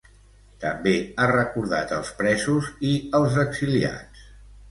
També ha recordat els presos i els exiliats.